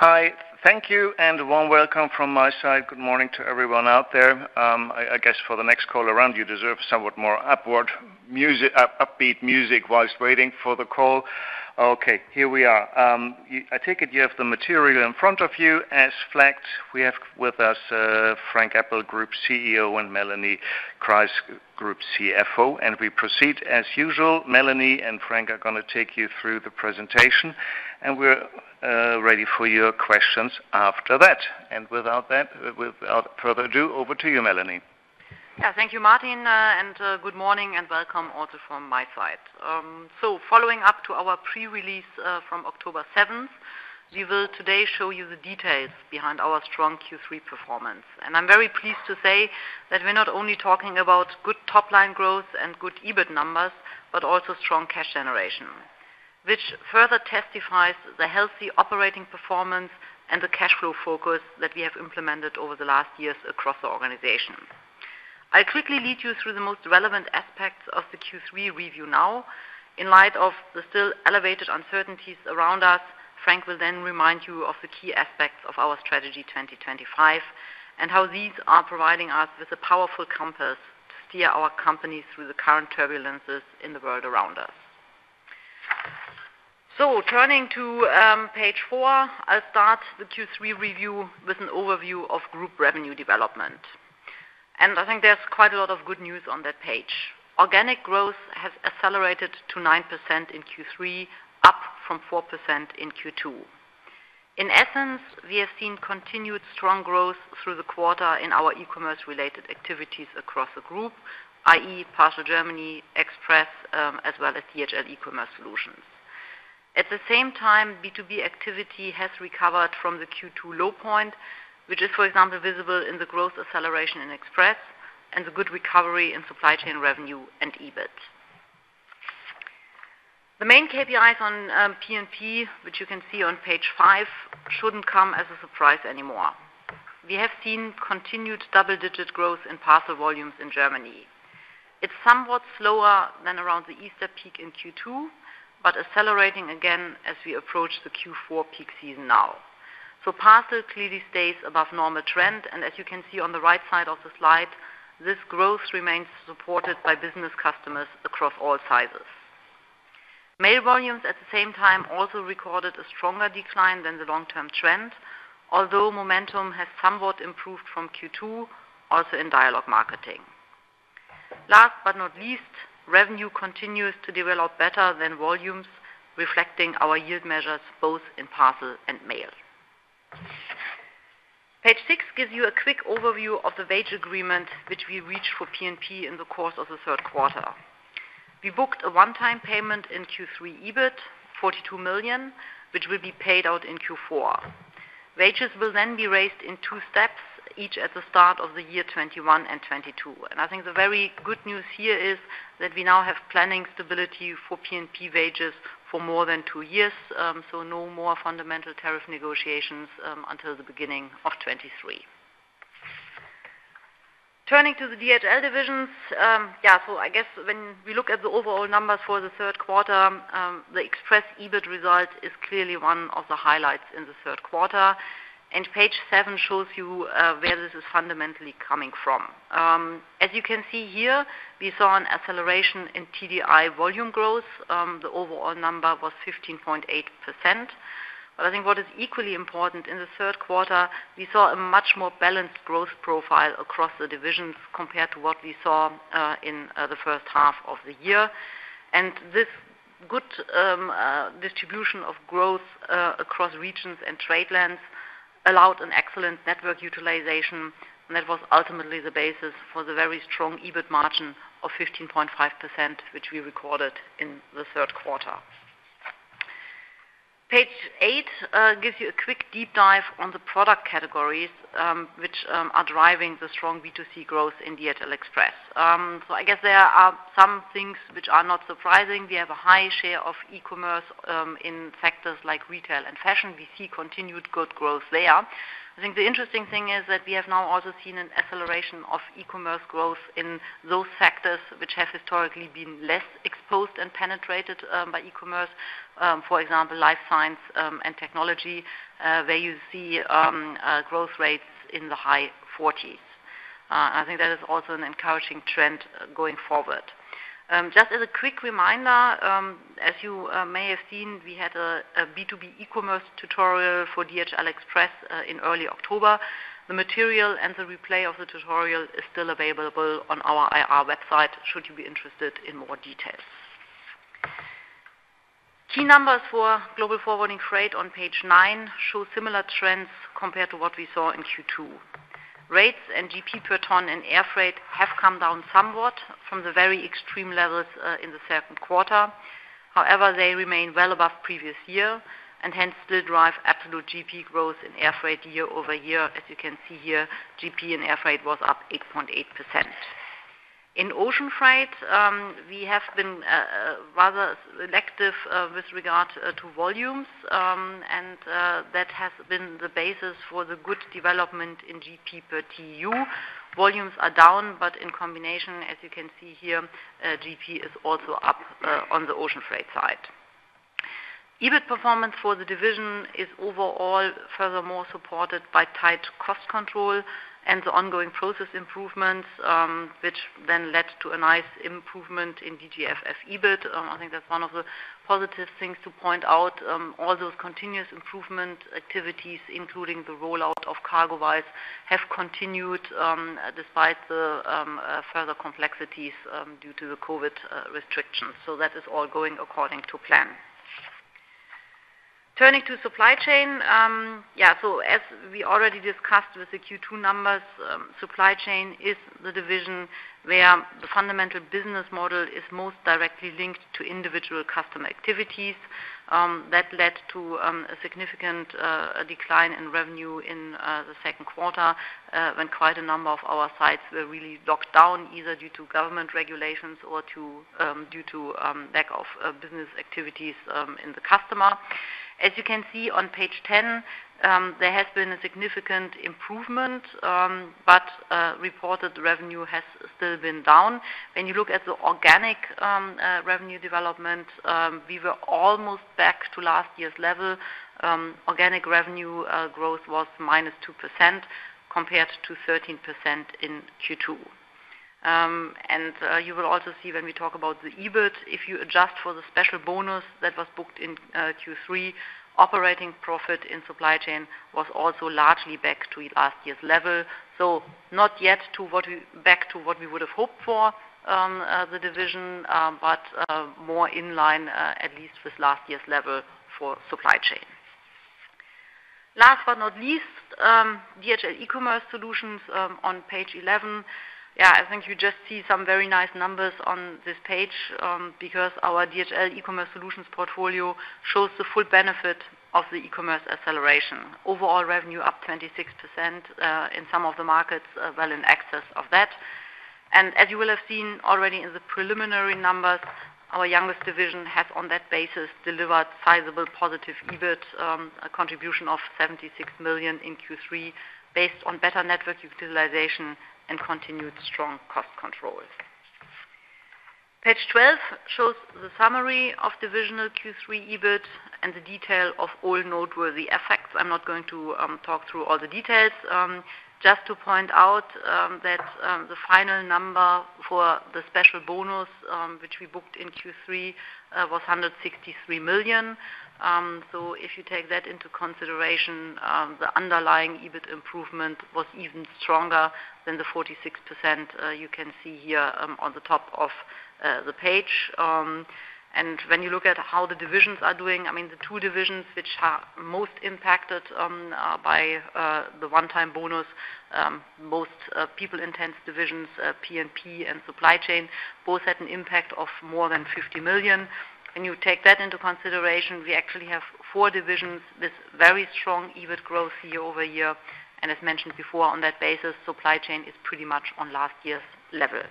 Hi. Thank you and a warm welcome from my side. Good morning to everyone out there. I guess, for the next call around, you deserve somewhat more upbeat music while waiting for the call. Okay, here we are. I take it you have the material in front of you as flagged. We have with us Frank Appel, Group CEO, and Melanie Kreis, Group CFO. We proceed as usual. Melanie and Frank are going to take you through the presentation, and we're ready for your questions after that. Without further ado, over to you, Melanie. Thank you, Martin, good morning and welcome also from my side. Following up to our pre-release from October seven, we will today show you the details behind our strong Q3 performance. I'm very pleased to say that we're not only talking about good top-line growth and good EBIT numbers, but also strong cash generation, which further testifies the healthy operating performance and the cash flow focus that we have implemented over the last years across the organization. I'll quickly lead you through the most relevant aspects of the Q3 review now. In light of the still elevated uncertainties around us, Frank will remind you of the key aspects of our Strategy 2025 and how these are providing us with a powerful compass to steer our companies through the current turbulences in the world around us. Turning to page four, I'll start the Q3 review with an overview of group revenue development. I think there's quite a lot of good news on that page. Organic growth has accelerated to 9% in Q3, up from 4% in Q2. In essence, we have seen continued strong growth through the quarter in our e-commerce-related activities across the group, i.e., Parcel Germany, Express, as well as DHL eCommerce Solutions. At the same time, B2B activity has recovered from the Q2 low point, which is, for example, visible in the growth acceleration in Express and the good recovery in Supply Chain revenue and EBIT. The main KPIs on P&P, which you can see on page five, shouldn't come as a surprise anymore. We have seen continued double-digit growth in parcel volumes in Germany. It's somewhat slower than around the Easter peak in Q2, but accelerating again as we approach the Q4 peak season now. Parcels clearly stays above normal trend, and as you can see on the right side of the slide, this growth remains supported by business customers across all sizes. Mail volumes, at the same time, also recorded a stronger decline than the long-term trend, although momentum has somewhat improved from Q2, also in dialogue marketing. Last but not least, revenue continues to develop better than volumes, reflecting our yield measures both in parcel and mail. Page six gives you a quick overview of the wage agreement, which we reached for P&P in the course of the third quarter. We booked a one-time payment in Q3 EBIT, 42 million, which will be paid out in Q4. Wages will be raised in two steps, each at the start of the year 2021 and 2022. I think the very good news here is that we now have planning stability for P&P wages for more than two years. No more fundamental tariff negotiations until the beginning of 2023. Turning to the DHL divisions. I guess when we look at the overall numbers for the third quarter, the Express EBIT result is clearly one of the highlights in the third quarter, and page seven shows you where this is fundamentally coming from. As you can see here, we saw an acceleration in TDI volume growth. The overall number was 15.8%. I think what is equally important, in the third quarter, we saw a much more balanced growth profile across the divisions compared to what we saw in the first half of the year. This good distribution of growth across regions and trade lanes allowed an excellent network utilization, and that was ultimately the basis for the very strong EBIT margin of 15.5%, which we recorded in the third quarter. Page eight gives you a quick deep dive on the product categories, which are driving the strong B2C growth in DHL Express. I guess there are some things which are not surprising. We have a high share of e-commerce in sectors like retail and fashion. We see continued good growth there. I think the interesting thing is that we have now also seen an acceleration of e-commerce growth in those sectors which have historically been less exposed and penetrated by e-commerce, for example, Life Science and Technology, where you see growth rates in the high 40%. I think that is also an encouraging trend going forward. Just as a quick reminder, as you may have seen, we had a B2B eCommerce tutorial for DHL Express in early October. The material and the replay of the tutorial is still available on our IR website, should you be interested in more details. Key numbers for Global Forwarding, Freight on page nine show similar trends compared to what we saw in Q2. Rates and GP per ton in Air Freight have come down somewhat from the very extreme levels in the second quarter. However, they remain well above previous year and hence still drive absolute GP growth in Air Freight year-over-year. As you can see here, GP in Air Freight was up 8.8%. In Ocean Freight, we have been rather selective with regard to volumes, and that has been the basis for the good development in GP per TEU. Volumes are down, but in combination, as you can see here, GP is also up on the Ocean Freight side. EBIT performance for the division is overall furthermore supported by tight cost control and the ongoing process improvements, which then led to a nice improvement in DGF's EBIT. I think that's one of the positive things to point out. All those continuous improvement activities, including the rollout of CargoWise, have continued, despite the further complexities due to the COVID restrictions. That is all going according to plan. Turning to Supply Chain. As we already discussed with the Q2 numbers, Supply Chain is the division where the fundamental business model is most directly linked to individual customer activities. That led to a significant decline in revenue in the second quarter, when quite a number of our sites were really locked down, either due to government regulations or due to lack of business activities in the customer. As you can see on page 10, there has been a significant improvement, but reported revenue has still been down. You look at the organic revenue development, we were almost back to last year's level. Organic revenue growth was -2% compared to 13% in Q2. You will also see when we talk about the EBIT, if you adjust for the special bonus that was booked in Q3, operating profit in Supply Chain was also largely back to last year's level. Not yet back to what we would have hoped for the division, but more in line, at least, with last year's level for Supply Chain. Last but not least, DHL eCommerce Solutions on page 11. I think you just see some very nice numbers on this page because our DHL eCommerce Solutions portfolio shows the full benefit of the eCommerce acceleration. Overall revenue up 26% in some of the markets, well in excess of that. As you will have seen already in the preliminary numbers, our youngest division has, on that basis, delivered sizable positive EBIT, a contribution of 76 million in Q3, based on better network utilization and continued strong cost controls. Page 12 shows the summary of divisional Q3 EBIT and the detail of all noteworthy effects. I am not going to talk through all the details. Just to point out that the final number for the special bonus, which we booked in Q3, was 163 million. If you take that into consideration, the underlying EBIT improvement was even stronger than the 46% you can see here on the top of the page. When you look at how the divisions are doing, the two divisions which are most impacted by the one-time bonus, both people-intense divisions, P&P and Supply Chain, both had an impact of more than 50 million. When you take that into consideration, we actually have four divisions with very strong EBIT growth year-over-year. As mentioned before, on that basis, Supply Chain is pretty much on last year's level.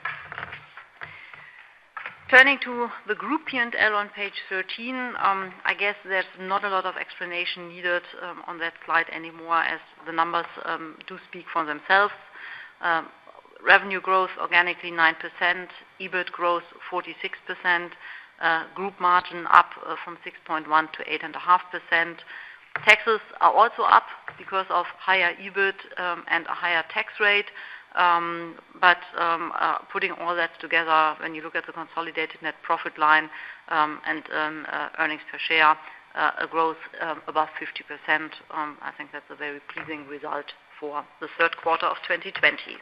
Turning to the Group P&L on page 13. I guess there's not a lot of explanation needed on that slide anymore, as the numbers do speak for themselves. Revenue growth organically 9%, EBIT growth 46%, group margin up from 6.1%-8.5%. Taxes are also up because of higher EBIT and a higher tax rate. Putting all that together, when you look at the consolidated net profit line and earnings per share, a growth above 50%, I think that's a very pleasing result for the third quarter of 2020.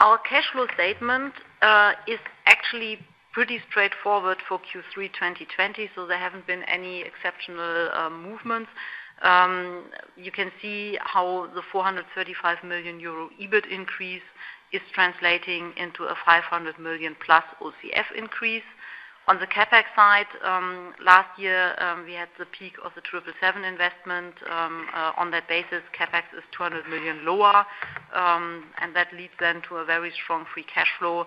Our cash flow statement is actually pretty straightforward for Q3 2020. There haven't been any exceptional movements. You can see how the 435 million euro EBIT increase is translating into a 500+ million OCF increase. On the CapEx side, last year, we had the peak of the 777 investment. On that basis, CapEx is 200 million lower. That leads to a very strong free cash flow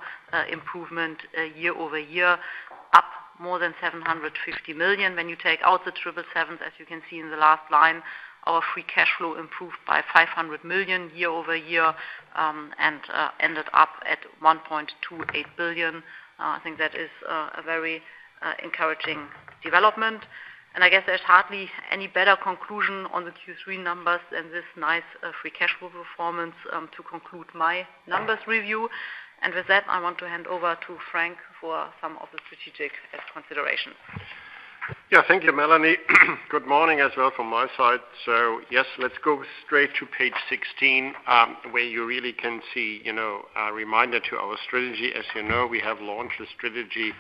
improvement year-over-year, up more than 750 million. When you take out the 777, as you can see in the last line, our free cash flow improved by 500 million year-over-year and ended up at 1.28 billion. I think that is a very encouraging development. I guess there's hardly any better conclusion on the Q3 numbers than this nice free cash flow performance to conclude my numbers review. With that, I want to hand over to Frank for some of the strategic considerations. Thank you, Melanie. Good morning as well from my side. Yes, let's go straight to page 16, where you really can see a reminder to our strategy. As you know, we have launched the strategy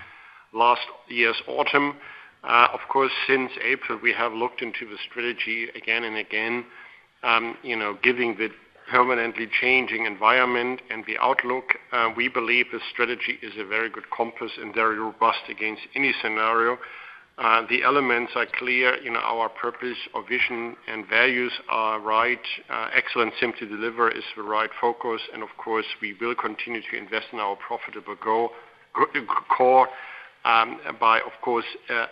last year's autumn. Of course, since April, we have looked into the strategy again and again. Given the permanently changing environment and the outlook, we believe the strategy is a very good compass and very robust against any scenario. The elements are clear. Our purpose, our vision, and values are right. Excellence in to deliver is the right focus. Of course, we will continue to invest in our profitable core by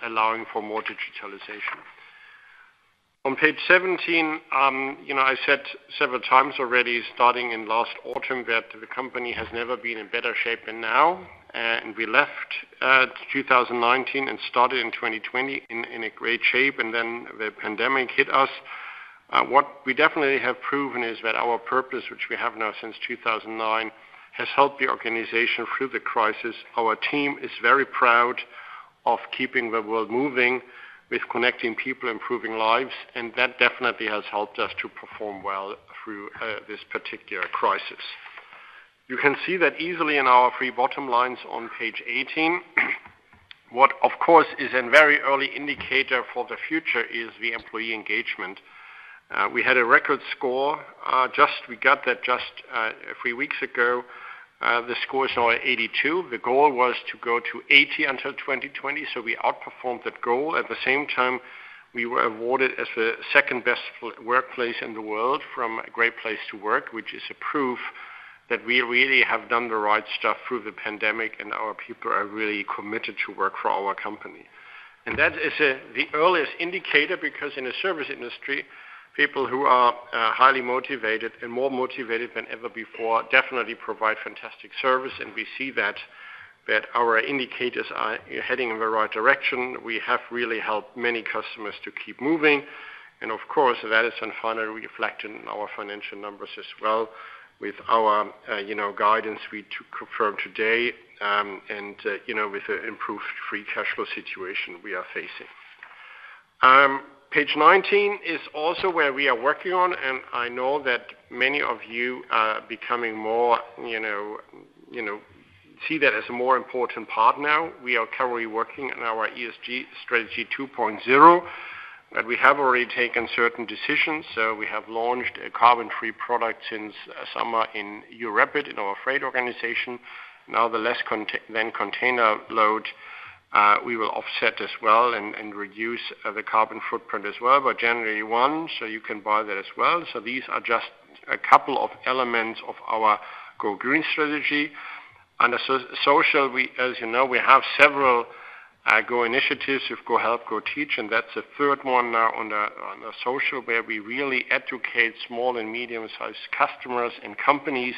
allowing for more digitalization. On page 17, I said several times already, starting in last autumn, that the company has never been in better shape than now. We left 2019 and started in 2020 in a great shape, and then the pandemic hit us. What we definitely have proven is that our purpose, which we have now since 2009, has helped the organization through the crisis. Our team is very proud of keeping the world moving with connecting people, improving lives, and that definitely has helped us to perform well through this particular crisis. You can see that easily in our three bottom lines on page 18. What, of course, is a very early indicator for the future is the employee engagement. We had a record score. We got that just a few weeks ago. The score is now at 82. The goal was to go to 80 until 2020, so we outperformed that goal. At the same time, we were awarded as the second-best workplace in the world from a Great Place to Work, which is a proof that we really have done the right stuff through the pandemic, and our people are really committed to work for our company. That is the earliest indicator because in a service industry, people who are highly motivated and more motivated than ever before definitely provide fantastic service, and we see that our indicators are heading in the right direction. We have really helped many customers to keep moving. Of course, that is then finally reflected in our financial numbers as well with our guidance we confirmed today, and with the improved free cash flow situation we are facing. Page 19 is also where we are working on, and I know that many of you see that as a more important part now. We are currently working on our ESG strategy 2.0. We have already taken certain decisions. We have launched a carbon-free product since summer in Europe in our freight organization. The Less than Container Load, we will offset as well and reduce the carbon footprint as well by January one. You can buy that as well. These are just a couple of elements of our GoGreen strategy. Under social, as you know, we have several go initiatives. We have GoHelp, GoTeach, and that's a third one now on the social where we really educate small and medium-sized customers and companies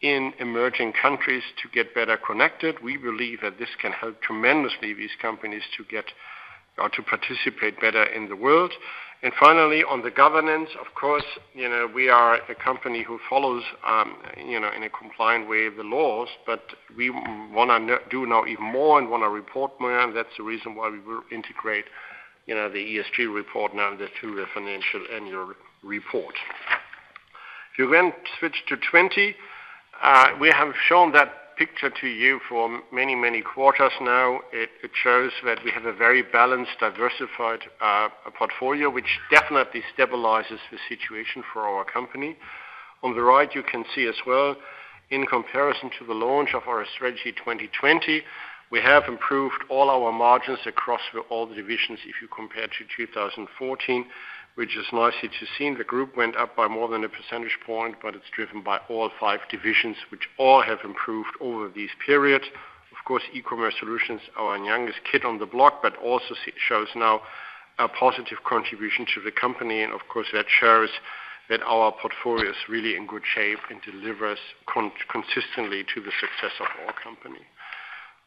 in emerging countries to get better connected. We believe that this can help tremendously these companies to participate better in the world. Finally, on the governance, of course, we are a company who follows in a compliant way the laws, but we want to do now even more and want to report more. That's the reason why we will integrate the ESG report now into the financial annual report. If you switch to 20, we have shown that picture to you for many, many quarters now. It shows that we have a very balanced, diversified portfolio, which definitely stabilizes the situation for our company. On the right, you can see as well, in comparison to the launch of our Strategy 2020, we have improved all our margins across all the divisions if you compare to 2014, which is nice to see. The group went up by more than a percentage point, It's driven by all five divisions, which all have improved over these periods. eCommerce Solutions, our youngest kid on the block, also shows now a positive contribution to the company. That shows that our portfolio is really in good shape and delivers consistently to the success of our company.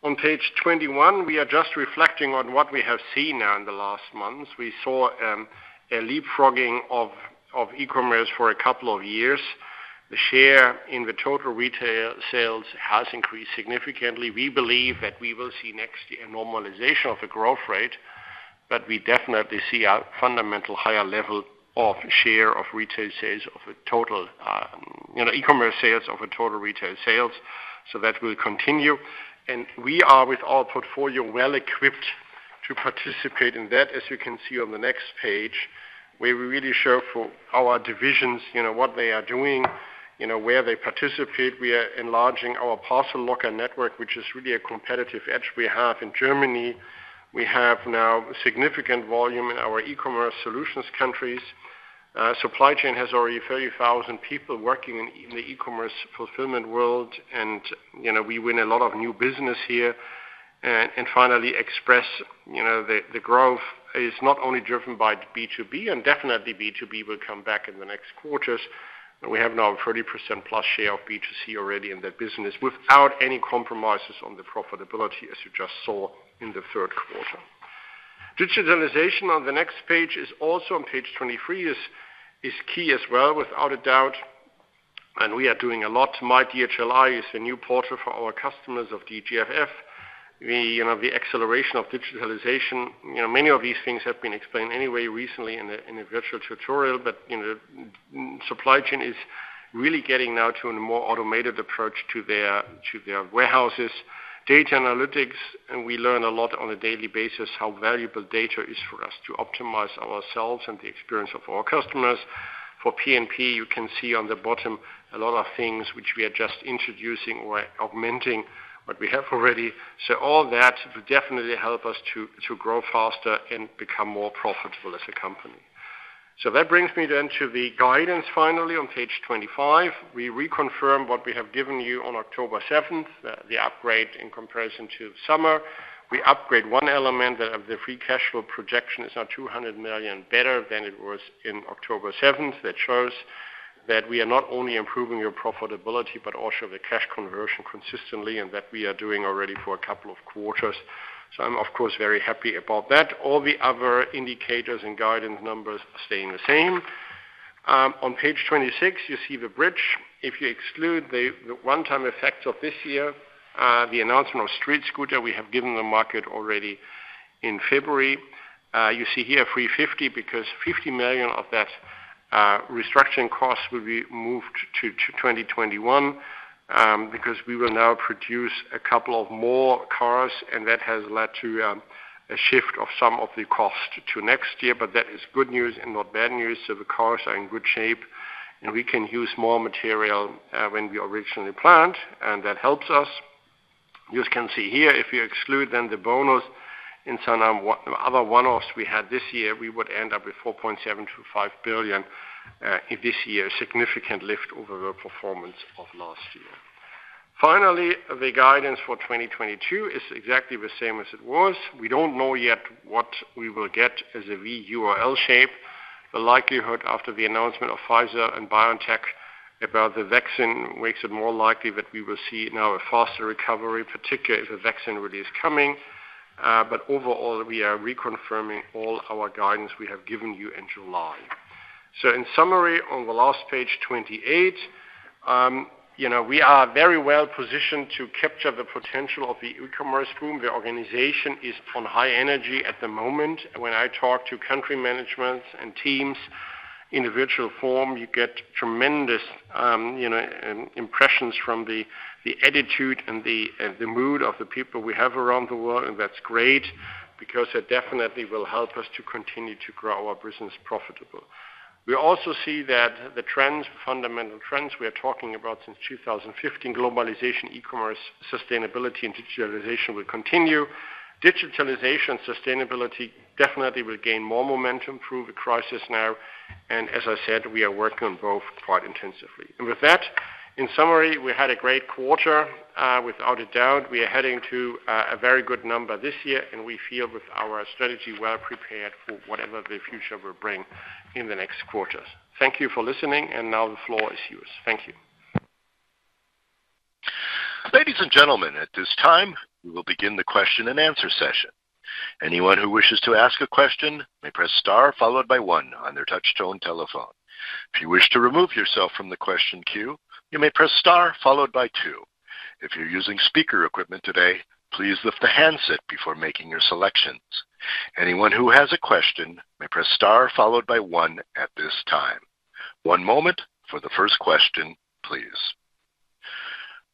On page 21, we are just reflecting on what we have seen now in the last months. We saw a leapfrogging of e-commerce for a couple of years. The share in the total retail sales has increased significantly. We believe that we will see next year a normalization of the growth rate, we definitely see a fundamental higher level of share of retail sales of a total e-commerce sales of a total retail sales. That will continue. We are, with our portfolio, well-equipped to participate in that, as you can see on the next page, where we really show for our divisions what they are doing, where they participate. We are enlarging our parcel locker network, which is really a competitive edge we have in Germany. We have now significant volume in our eCommerce Solutions countries. Supply Chain has already 30,000 people working in the e-commerce fulfillment world, and we win a lot of new business here. Finally, Express, the growth is not only driven by B2B, and definitely B2B will come back in the next quarters. We have now a 30%+ share of B2C already in that business without any compromises on the profitability, as you just saw in the third quarter. Digitalization on the next page, also on page 23, is key as well, without a doubt, and we are doing a lot. MyDHL+ is a new portal for our customers of DGFF. The acceleration of digitalization. Many of these things have been explained anyway recently in the virtual tutorial, but Supply Chain is really getting now to a more automated approach to their warehouses. Data analytics, we learn a lot on a daily basis how valuable data is for us to optimize ourselves and the experience of our customers. For P&P, you can see on the bottom a lot of things which we are just introducing or augmenting what we have already. All that will definitely help us to grow faster and become more profitable as a company. That brings me then to the guidance finally on page 25. We reconfirm what we have given you on October seventh, the upgrade in comparison to summer. We upgrade one element of the free cash flow projection is now 200 million better than it was in October seventh. That shows that we are not only improving our profitability, but also the cash conversion consistently, and that we are doing already for a couple of quarters. I'm of course very happy about that. All the other indicators and guidance numbers are staying the same. On page 26, you see the bridge. If you exclude the one-time effects of this year, the announcement of StreetScooter, we have given the market already in February. You see here 350 million, because 50 million of that restructuring cost will be moved to 2021, because we will now produce a couple of more cars, and that has led to a shift of some of the cost to next year. That is good news and not bad news. The cars are in good shape, and we can use more material than we originally planned, and that helps us. You can see here, if you exclude then the bonus and some other one-offs we had this year, we would end up with 4.725 billion in this year, a significant lift over the performance of last year. Finally, the guidance for 2022 is exactly the same as it was. We don't know yet what we will get as a V, U, or L-shape. The likelihood after the announcement of Pfizer and BioNTech about the vaccine makes it more likely that we will see now a faster recovery, particularly if a vaccine really is coming. Overall, we are reconfirming all our guidance we have given you in July. In summary, on the last page 28, we are very well positioned to capture the potential of the e-commerce boom. The organization is on high energy at the moment. When I talk to country managements and teams in the virtual forum, you get tremendous impressions from the attitude and the mood of the people we have around the world, and that's great because it definitely will help us to continue to grow our business profitably. We also see that the trends, fundamental trends we are talking about since 2015, globalization, e-commerce, sustainability, and digitalization will continue. Digitalization, sustainability definitely will gain more momentum through the crisis now. As I said, we are working on both quite intensively. With that, in summary, we had a great quarter, without a doubt. We are heading to a very good number this year. We feel with our strategy well prepared for whatever the future will bring in the next quarters. Thank you for listening. Now the floor is yours. Thank you.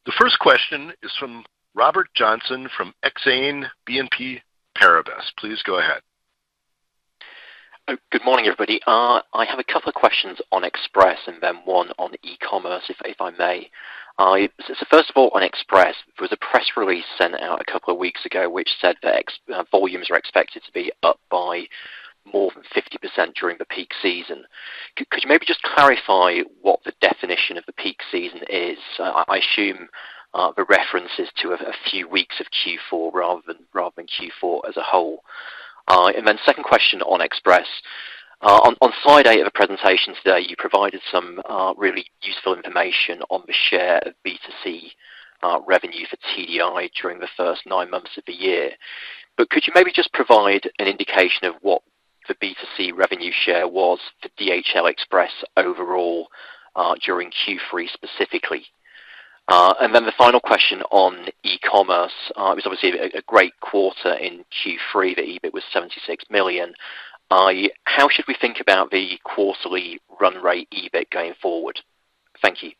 The first question is from Robert Joynson from Exane BNP Paribas. Please go ahead. Good morning, everybody. I have a couple of questions on Express and then one on e-commerce, if I may. First of all, on Express, there was a press release sent out a couple of weeks ago, which said that volumes are expected to be up by more than 50% during the peak season. Could you maybe just clarify what the definition of the peak season is? I assume the reference is to a few weeks of Q4 rather than Q4 as a whole. Second question on Express. On Friday at the presentation today, you provided some really useful information on the share of B2C revenue for TDI during the first nine months of the year. Could you maybe just provide an indication of what the B2C revenue share was for DHL Express overall during Q3 specifically? The final question on e-commerce. It was obviously a great quarter in Q3. The EBIT was 76 million. How should we think about the quarterly run rate EBIT going forward? Thank you.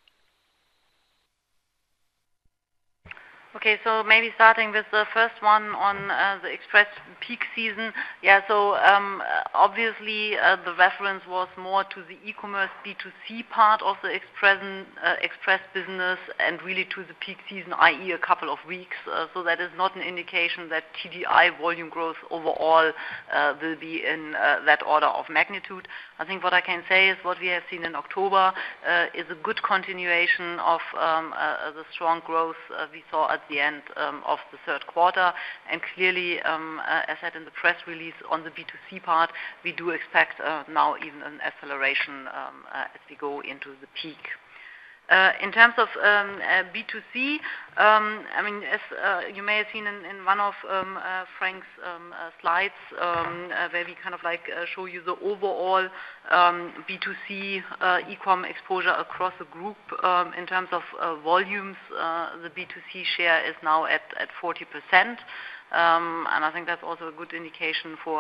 Maybe starting with the first one on the Express peak season. Obviously, the reference was more to the e-commerce B2C part of the Express business and really to the peak season, i.e., a couple of weeks. That is not an indication that TDI volume growth overall will be in that order of magnitude. I think what I can say is what we have seen in October is a good continuation of the strong growth we saw at the end of the third quarter. Clearly, as said in the press release on the B2C part, we do expect now even an acceleration as we go into the peak. In terms of B2C, as you may have seen in one of Frank's slides, where we show you the overall B2C e-com exposure across the group in terms of volumes, the B2C share is now at 40%. I think that's also a good indication for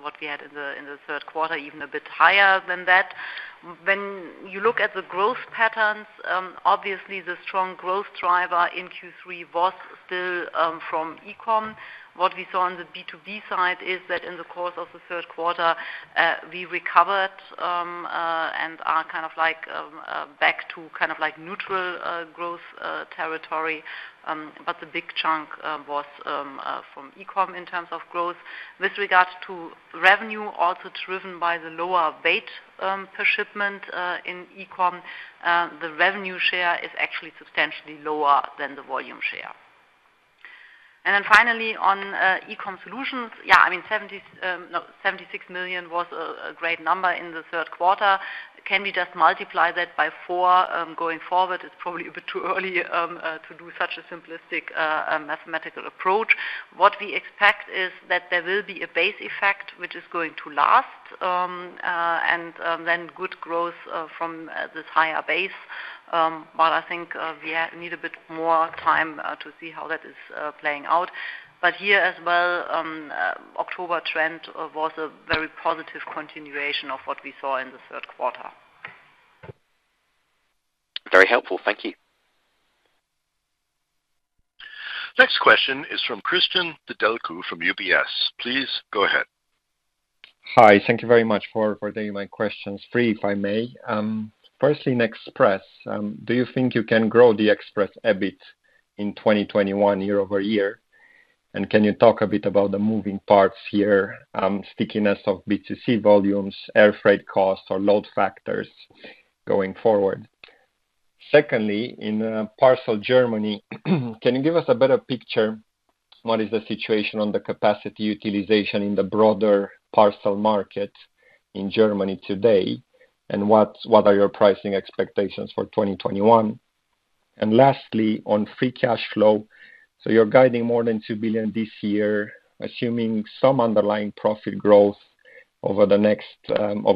what we had in the third quarter, even a bit higher than that. When you look at the growth patterns, obviously the strong growth driver in Q3 was still from e-com. What we saw on the B2B side is that in the course of the third quarter, we recovered and are back to neutral growth territory. The big chunk was from e-com in terms of growth. With regard to revenue, also driven by the lower weight per shipment in e-com, the revenue share is actually substantially lower than the volume share. Finally, on eCommerce Solutions, yes, 76 million was a great number in the third quarter. Can we just multiply that by four going forward? It's probably a bit too early to do such a simplistic mathematical approach. What we expect is that there will be a base effect, which is going to last, and then good growth from this higher base. I think we need a bit more time to see how that is playing out. Here as well, October trend was a very positive continuation of what we saw in the third quarter. Very helpful. Thank you. Next question is from Cristian Nedelcu from UBS. Please go ahead. Hi. Thank you very much for taking my questions. Three, if I may. Firstly, in Express, do you think you can grow the Express EBIT in 2021 year-over-year? Can you talk a bit about the moving parts here, stickiness of B2C volumes, Air Freight costs, or load factors going forward? Secondly, in Parcel Germany, can you give us a better picture, what is the situation on the capacity utilization in the broader parcel market in Germany today, and what are your pricing expectations for 2021? Lastly, on free cash flow, you're guiding more than 2 billion this year, assuming some underlying profit growth over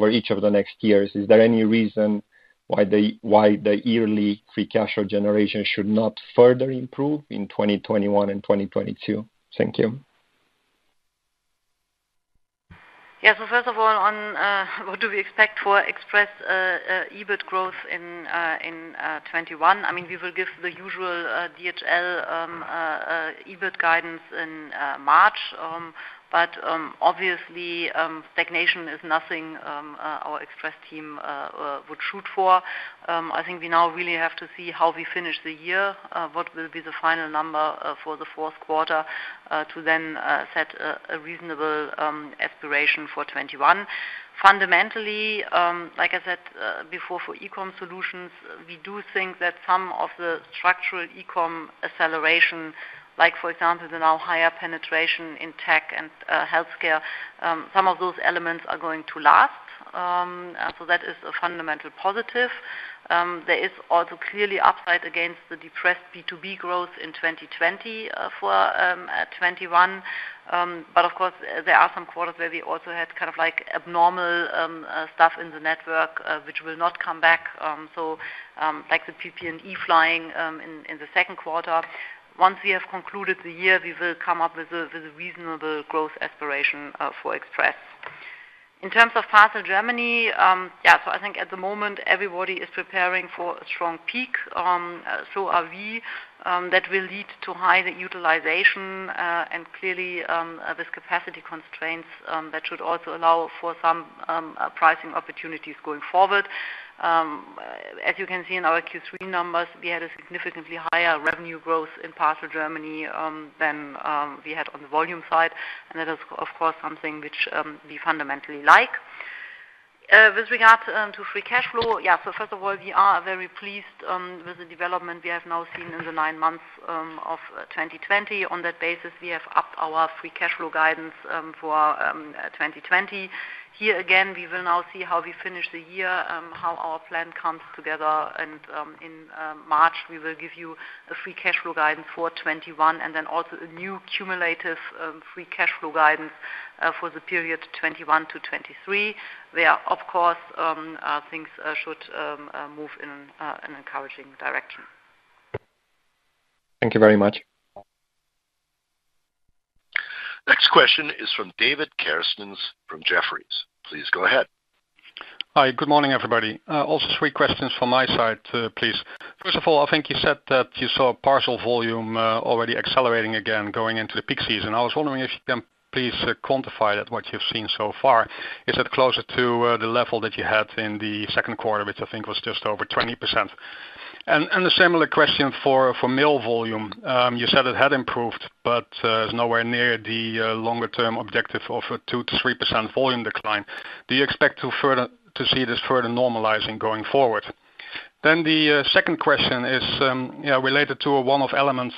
each of the next years. Is there any reason why the yearly free cash flow generation should not further improve in 2021 and 2022? Thank you. Yeah. First of all, on what do we expect for Express EBIT growth in 2021, we will give the usual DHL EBIT guidance in March. Obviously, stagnation is nothing our Express team would shoot for. I think we now really have to see how we finish the year, what will be the final number for the fourth quarter, to then set a reasonable aspiration for 2021. Fundamentally, like I said before, for eCommerce Solutions, we do think that some of the structural e-com acceleration, like for example, the now higher penetration in tech and healthcare, some of those elements are going to last. That is a fundamental positive. There is also clearly upside against the depressed B2B growth in 2020 for 2021. Of course, there are some quarters where we also had abnormal stuff in the network, which will not come back, like the PPE flying in the second quarter. Once we have concluded the year, we will come up with a reasonable growth aspiration for Express. In terms of Parcel Germany, yeah. I think at the moment, everybody is preparing for a strong peak. Are we. That will lead to higher utilization, and clearly, with capacity constraints, that should also allow for some pricing opportunities going forward. As you can see in our Q3 numbers, we had a significantly higher revenue growth in Parcel Germany than we had on the volume side. That is, of course, something which we fundamentally like. With regard to free cash flow, yeah. First of all, we are very pleased with the development we have now seen in the nine months of 2020. On that basis, we have upped our free cash flow guidance for 2020. Here again, we will now see how we finish the year, how our plan comes together, and in March, we will give you a free cash flow guidance for 2021, and then also a new cumulative free cash flow guidance for the period 2021-2023, where, of course, things should move in an encouraging direction. Thank you very much. Next question is from David Kerstens from Jefferies. Please go ahead. Three questions from my side, please. First of all, I think you said that you saw parcel volume already accelerating again going into the peak season. I was wondering if you can please quantify that, what you've seen so far. Is it closer to the level that you had in the second quarter, which I think was just over 20%? A similar question for mail volume. It had improved, it's nowhere near the longer-term objective of a 2%-3% volume decline. Do you expect to see this further normalizing going forward? The second question is related to a one-off element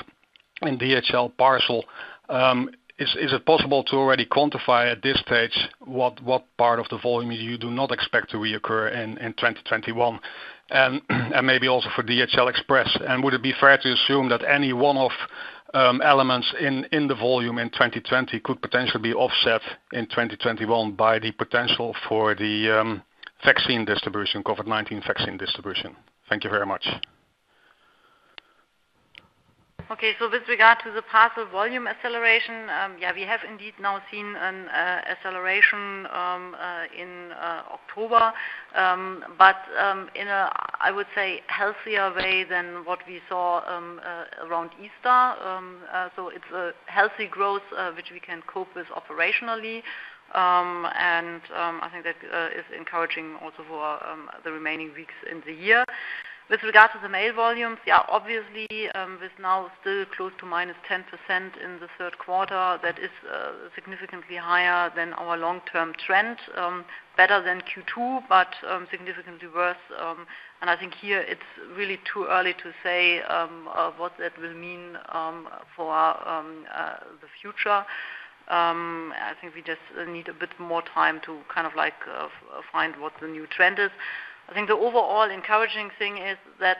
in DHL Parcel. Is it possible to already quantify at this stage what part of the volume you do not expect to reoccur in 2021, and maybe also for DHL Express? Would it be fair to assume that any one-off elements in the volume in 2020 could potentially be offset in 2021 by the potential for the COVID-19 vaccine distribution? Thank you very much. Okay. With regard to the parcel volume acceleration, yeah, we have indeed now seen an acceleration in October. In a, I would say, healthier way than what we saw around Easter. It's a healthy growth, which we can cope with operationally. I think that is encouraging also for the remaining weeks in the year. With regard to the mail volumes, yeah, obviously, with now still close to -10% in the third quarter, that is significantly higher than our long-term trend, better than Q2, but significantly worse. I think here it's really too early to say what that will mean for the future. I think we just need a bit more time to find what the new trend is. I think the overall encouraging thing is that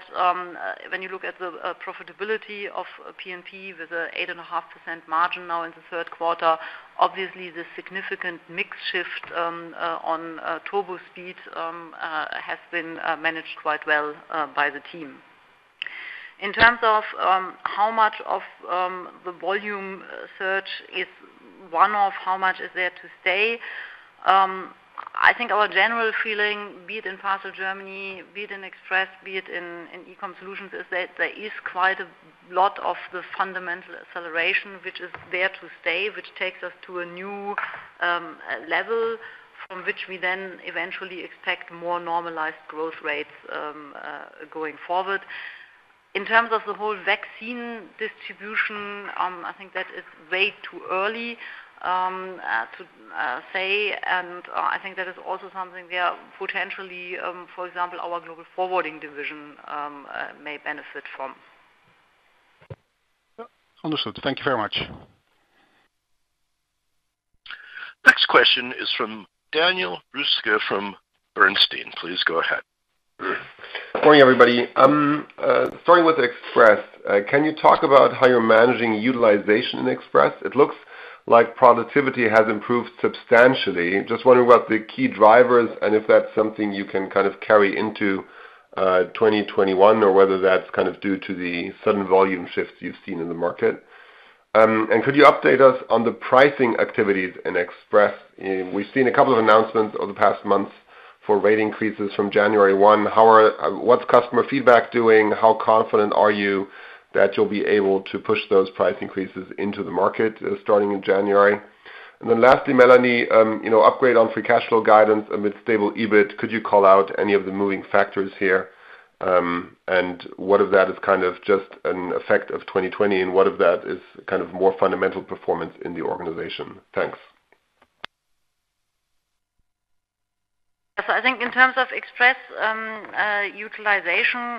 when you look at the profitability of P&P with a 8.5% margin now in the third quarter, obviously the significant mix shift on turbo speed has been managed quite well by the team. In terms of how much of the volume surge is one-off, how much is there to stay? I think our general feeling, be it in Parcel Germany, be it in Express, be it in eCommerce Solutions, is that there is quite a lot of the fundamental acceleration which is there to stay, which takes us to a new level from which we then eventually expect more normalized growth rates going forward. In terms of the whole vaccine distribution, I think that is way too early to say, and I think that is also something where potentially, for example, our Global Forwarding division may benefit from. Understood. Thank you very much. Next question is from Daniel Roeska from Bernstein. Please go ahead. Morning, everybody. Starting with Express. Can you talk about how you're managing utilization in Express? It looks like productivity has improved substantially. Just wondering what the key driver is and if that's something you can kind of carry into 2021 or whether that's kind of due to the sudden volume shifts you've seen in the market. Could you update us on the pricing activities in Express? We've seen a couple of announcements over the past month for rate increases from January one. What's customer feedback doing? How confident are you that you'll be able to push those price increases into the market starting in January? Lastly, Melanie, upgrade on free cash flow guidance amid stable EBIT. Could you call out any of the moving factors here? What of that is kind of just an effect of 2020 and what of that is kind of more fundamental performance in the organization? Thanks. I think in terms of Express utilization,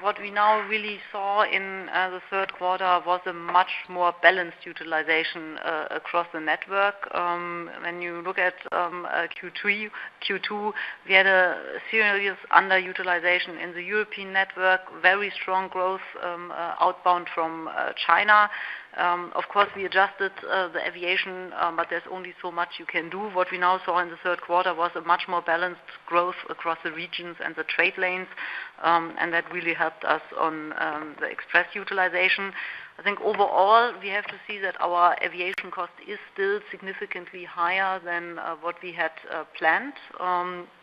what we now really saw in the third quarter was a much more balanced utilization across the network. When you look at Q2, we had a serious underutilization in the European network, very strong growth outbound from China. Of course, we adjusted the aviation, but there's only so much you can do. What we now saw in the third quarter was a much more balanced growth across the regions and the trade lanes, and that really helped us on the Express utilization. I think overall, we have to see that our aviation cost is still significantly higher than what we had planned.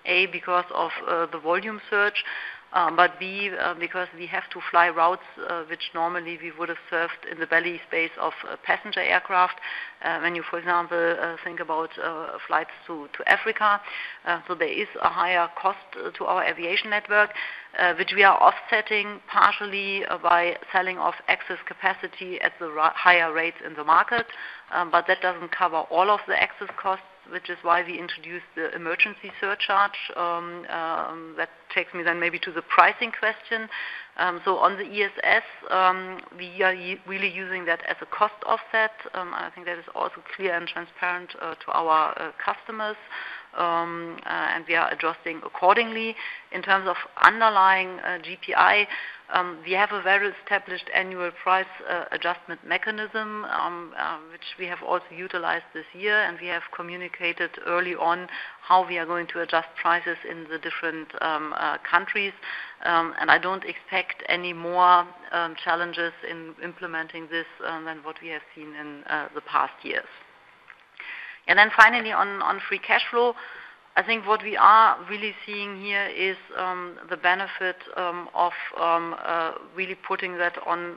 A, because of the volume surge, but B, because we have to fly routes which normally we would have served in the belly space of a passenger aircraft, when you, for example, think about flights to Africa. There is a higher cost to our aviation network, which we are offsetting partially by selling off excess capacity at the higher rates in the market. That doesn't cover all of the excess costs, which is why we introduced the emergency surcharge. That takes me then maybe to the pricing question. On the ESS, we are really using that as a cost offset. I think that is also clear and transparent to our customers, and we are adjusting accordingly. In terms of underlying GPI, we have a very established annual price adjustment mechanism, which we have also utilized this year, and we have communicated early on how we are going to adjust prices in the different countries. I don't expect any more challenges in implementing this than what we have seen in the past years. Finally, on free cash flow, I think what we are really seeing here is the benefit of really putting that on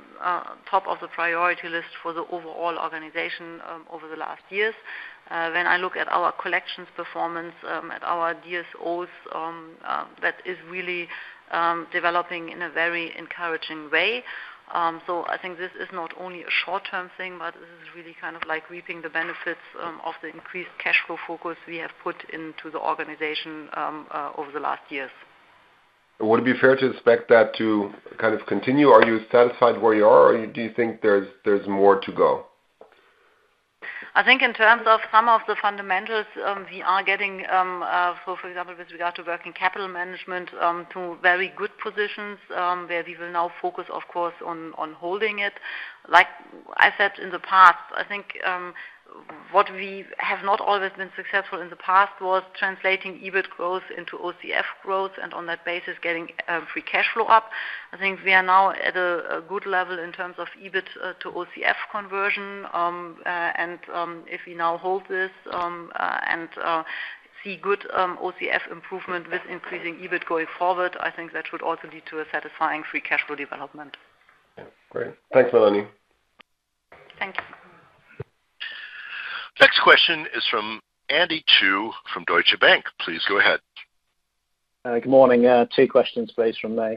top of the priority list for the overall organization over the last years. When I look at our collections performance, at our DSOs, that is really developing in a very encouraging way. I think this is not only a short-term thing, but this is really kind of like reaping the benefits of the increased cash flow focus we have put into the organization over the last years. Would it be fair to expect that to kind of continue? Are you satisfied where you are or do you think there's more to go? I think in terms of some of the fundamentals we are getting, for example, with regard to working capital management, to very good positions, where we will now focus, of course, on holding it. Like I said in the past, I think, what we have not always been successful in the past was translating EBIT growth into OCF growth and on that basis, getting free cash flow up. I think we are now at a good level in terms of EBIT to OCF conversion. If we now hold this and see good OCF improvement with increasing EBIT going forward, I think that should also lead to a satisfying free cash flow development. Yeah, great. Thanks, Melanie. Thank you. Next question is from Andy Chu from Deutsche Bank. Please go ahead. Good morning. Two questions, please, from me.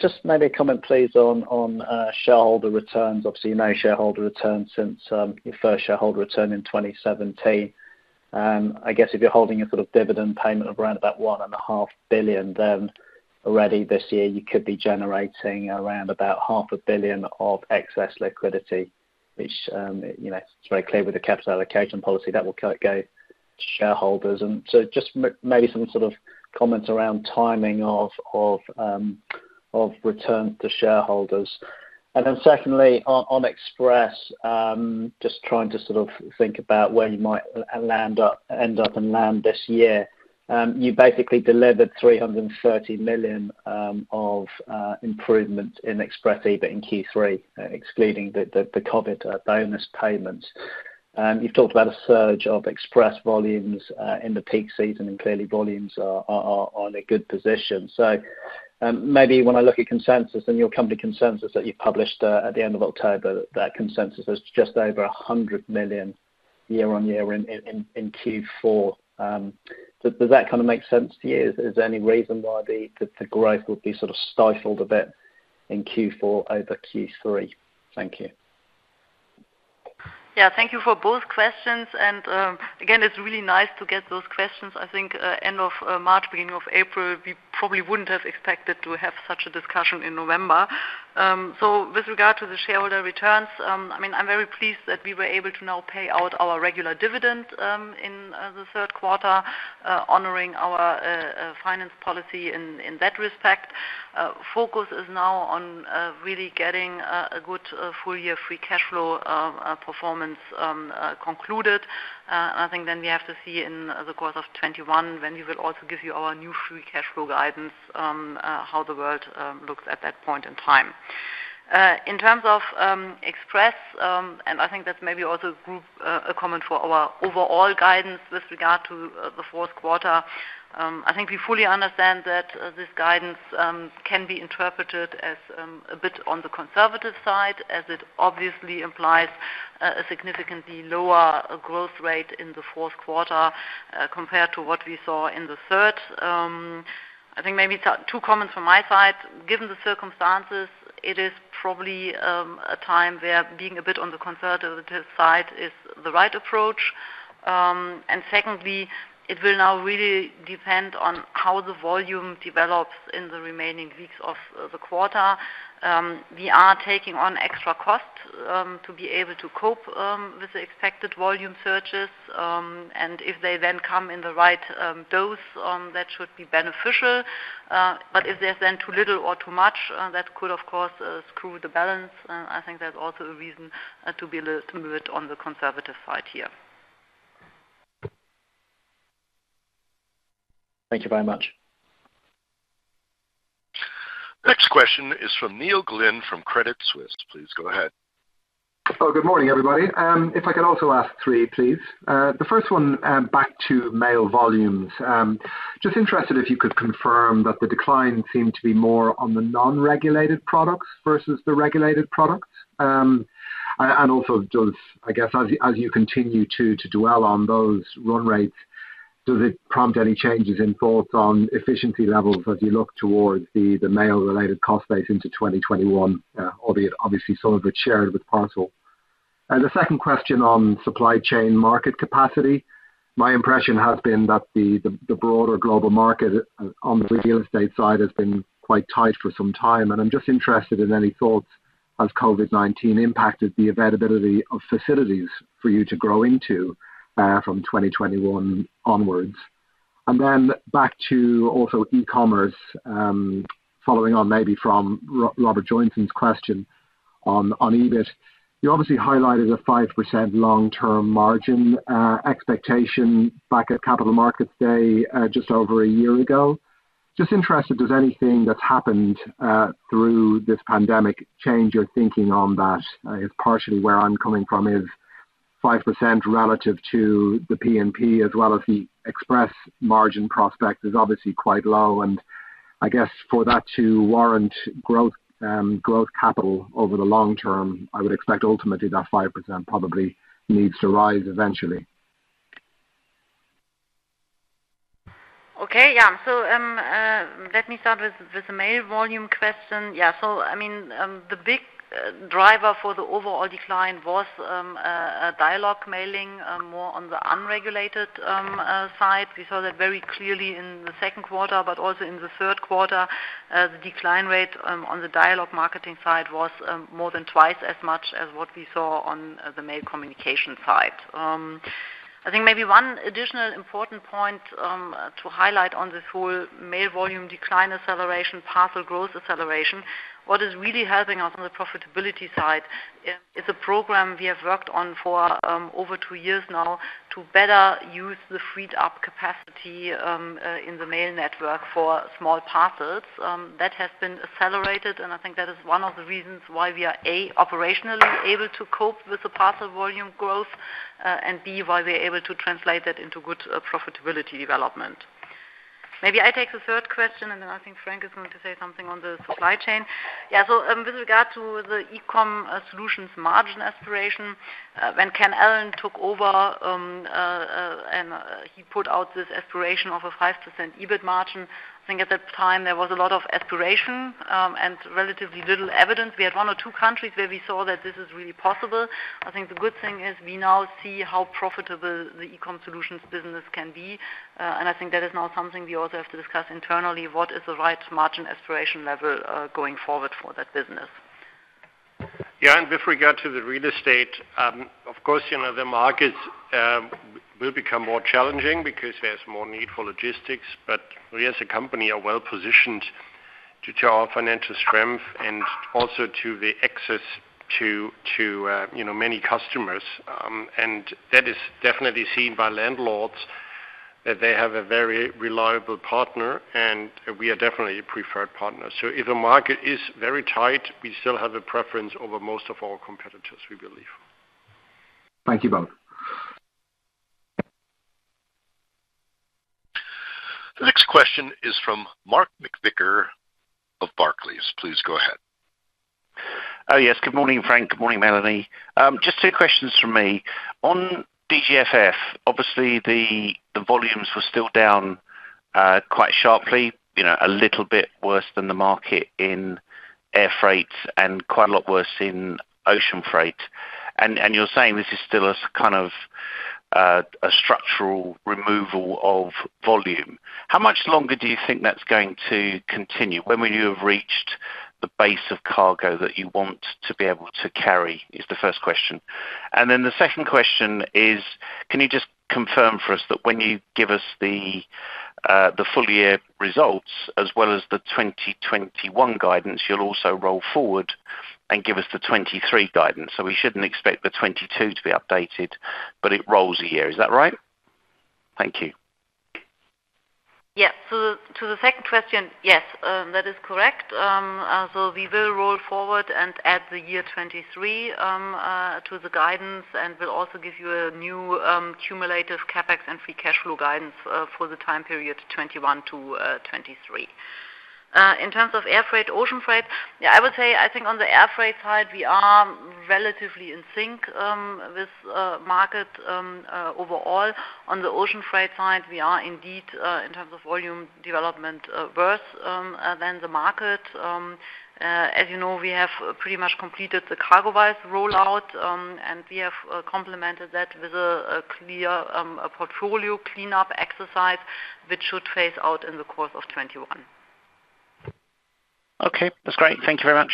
Just maybe a comment, please, on shareholder returns. Obviously, no shareholder returns since your first shareholder return in 2017. I guess if you're holding a sort of dividend payment of around about 1.5 billion, then already this year you could be generating around about 500 million of excess liquidity, which it's very clear with the capital allocation policy that will go to shareholders. Just maybe some sort of comments around timing of return to shareholders. Secondly, on Express, just trying to sort of think about where you might end up and land this year. You basically delivered 330 million of improvement in Express EBIT in Q3, excluding the COVID bonus payments. You've talked about a surge of Express volumes, in the peak season, and clearly volumes are on a good position. Maybe when I look at consensus and your company consensus that you published, at the end of October, that consensus is just over 100 million year-on-year in Q4. Does that kind of make sense to you? Is there any reason why the growth would be sort of stifled a bit in Q4 over Q3? Thank you. Yeah, thank you for both questions. Again, it's really nice to get those questions. I think, end of March, beginning of April, we probably wouldn't have expected to have such a discussion in November. With regard to the shareholder returns, I am very pleased that we were able to now pay out our regular dividend in the third quarter, honoring our finance policy in that respect. Focus is now on really getting a good full-year free cash flow performance concluded. I think then we have to see in the course of 2021, when we will also give you our new free cash flow guidance, how the world looks at that point in time. In terms of Express, and I think that's maybe also a group comment for our overall guidance with regard to the fourth quarter, I think we fully understand that this guidance can be interpreted as a bit on the conservative side, as it obviously implies a significantly lower growth rate in the fourth quarter compared to what we saw in the third. I think maybe two comments from my side. Given the circumstances, it is probably a time where being a bit on the conservative side is the right approach. Secondly, it will now really depend on how the volume develops in the remaining weeks of the quarter. We are taking on extra costs to be able to cope with the expected volume surges. If they then come in the right dose, that should be beneficial. If there's then too little or too much, that could, of course, screw the balance. I think that's also a reason to be a little bit on the conservative side here. Thank you very much. Next question is from Neil Glynn from Credit Suisse. Please go ahead. Oh, good morning, everybody. If I could also ask three, please. The first one, back to Mail volumes. Just interested if you could confirm that the decline seemed to be more on the non-regulated products versus the regulated products. Also does, I guess, as you continue to dwell on those run rates, does it prompt any changes in thoughts on efficiency levels as you look towards the Mail-related cost base into 2021, albeit obviously some of it shared with Parcel? The second question on Supply Chain market capacity. My impression has been that the broader global market on the real estate side has been quite tight for some time, and I'm just interested in any thoughts as COVID-19 impacted the availability of facilities for you to grow into, from 2021 onwards. Then back to also e-commerce, following on maybe from Robert Joynton's question on EBIT. You obviously highlighted a 5% long-term margin expectation back at Capital Markets Day, just over a year ago. Just interested, does anything that's happened through this pandemic change your thinking on that? I guess partially where I'm coming from is 5% relative to the P&P as well as the Express margin prospect is obviously quite low and I guess for that to warrant growth capital over the long term, I would expect ultimately that 5% probably needs to rise eventually. Okay. Let me start with the Mail volume question. The big driver for the overall decline was Dialogue Mailing, more on the unregulated side. We saw that very clearly in the second quarter, but also in the third quarter, the decline rate on the Dialogue marketing side was more than twice as much as what we saw on the Mail communication side. I think maybe one additional important point to highlight on this whole Mail volume decline acceleration, parcel growth acceleration, what is really helping us on the profitability side is a program we have worked on for over two years now to better use the freed up capacity in the Mail network for small parcels. That has been accelerated, and I think that is one of the reasons why we are, A, operationally able to cope with the parcel volume growth, and B, why we are able to translate that into good profitability development. Maybe I take the third question, and then I think Frank is going to say something on the Supply Chain. With regard to the eCommerce Solutions margin aspiration, when Ken Allen took over, and he put out this aspiration of a 5% EBIT margin, I think at that time there was a lot of aspiration, and relatively little evidence. We had one or two countries where we saw that this is really possible. I think the good thing is we now see how profitable the eCommerce Solutions business can be. I think that is now something we also have to discuss internally, what is the right margin aspiration level, going forward for that business? With regard to the real estate, of course, the market will become more challenging because there's more need for logistics. We as a company are well-positioned due to our financial strength and also to the access to many customers. That is definitely seen by landlords that they have a very reliable partner, and we are definitely a preferred partner. If the market is very tight, we still have a preference over most of our competitors, we believe. Thank you both. The next question is from Mark McVicar of Barclays. Please go ahead. Oh, yes. Good morning, Frank. Good morning, Melanie. Just two questions from me. On DGFF, obviously, the volumes were still down quite sharply, a little bit worse than the market in air freight and quite a lot worse in ocean freight. You're saying this is still a structural removal of volume. How much longer do you think that's going to continue? When will you have reached the base of cargo that you want to be able to carry? Is the first question. The second question is, can you just confirm for us that when you give us the full-year results as well as the 2021 guidance, you'll also roll forward and give us the 2023 guidance? We shouldn't expect the 2022 to be updated, but it rolls a year, is that right? Thank you. Yeah. To the second question, yes. That is correct. We will roll forward and add the year 2023 to the guidance, and we'll also give you a new cumulative CapEx and free cash flow guidance for the time period 2021 to 2023. In terms of Air Freight, Ocean Freight, I would say, I think on the Air Freight side, we are relatively in sync with market overall. On the Ocean Freight side, we are indeed, in terms of volume development, worse than the market. As you know, we have pretty much completed the CargoWise rollout, and we have complemented that with a clear portfolio cleanup exercise, which should phase out in the course of 2021. Okay. That's great. Thank you very much.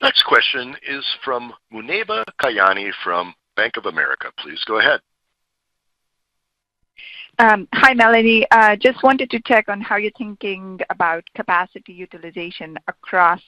Next question is from Muneeba Kayani from Bank of America. Please go ahead. Hi, Melanie. Just wanted to check on how you're thinking about capacity utilization across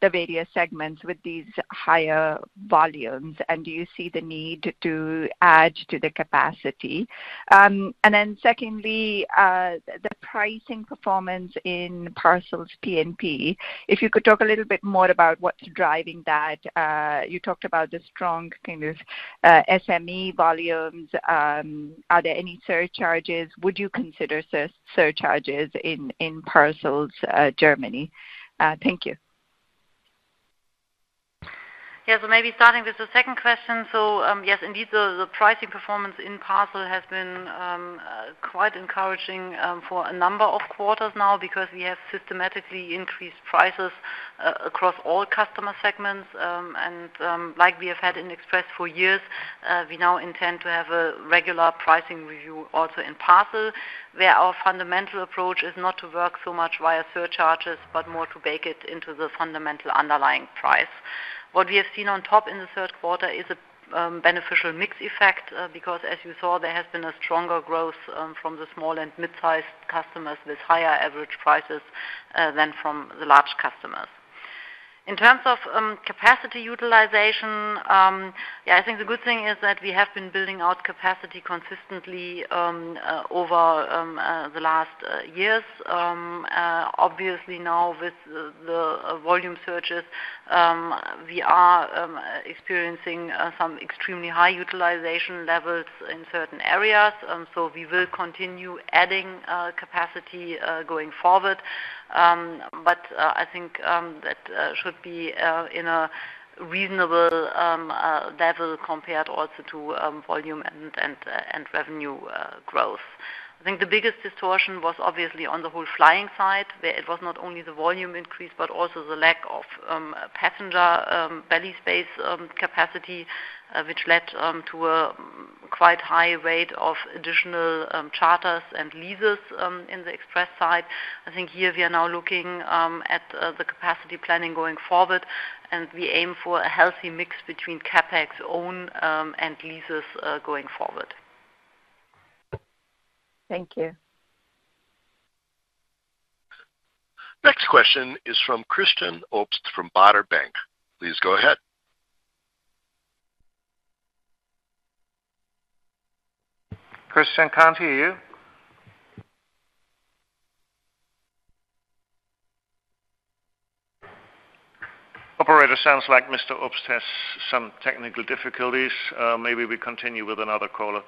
the various segments with these higher volumes. Do you see the need to add to the capacity? Secondly, the pricing performance in parcels P&P. If you could talk a little more about what's driving that. You talked about the strong kind of SME volumes. Are there any surcharges? Would you consider surcharges in parcels Germany? Thank you. Maybe starting with the second question. Yes, indeed, the pricing performance in parcel has been quite encouraging for a number of quarters now because we have systematically increased prices across all customer segments. Like we have had in Express for years, we now intend to have a regular pricing review also in parcel, where our fundamental approach is not to work so much via surcharges, but more to bake it into the fundamental underlying price. What we have seen on top in the third quarter is a beneficial mix effect, because as you saw, there has been a stronger growth from the small and mid-sized customers with higher average prices than from the large customers. In terms of capacity utilization, I think the good thing is that we have been building out capacity consistently over the last years. Obviously, now with the volume surges, we are experiencing some extremely high utilization levels in certain areas. We will continue adding capacity going forward. I think that should be in a reasonable level compared also to volume and revenue growth. I think the biggest distortion was obviously on the whole flying side, where it was not only the volume increase, but also the lack of passenger belly space capacity, which led to a quite high rate of additional charters and leases in the Express side. I think here we are now looking at the capacity planning going forward, and we aim for a healthy mix between CapEx own and leases going forward. Thank you. Next question is from Christian Obst from Baader Bank. Please go ahead. Christian, can't hear you. Operator, sounds like Mr. Obst has some technical difficulties. Maybe we continue with another caller.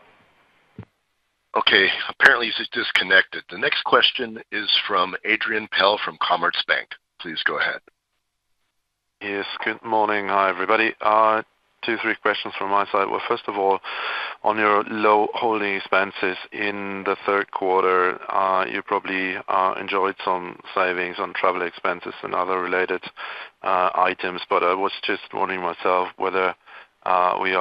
Okay, apparently he's disconnected. The next question is from Adrian Pehl from Commerzbank. Please go ahead. Yes, good morning. Hi, everybody. Two, three questions from my side. Well, first of all, on your low holding expenses in the third quarter, you probably enjoyed some savings on travel expenses and other related items, but I was just wondering myself whether we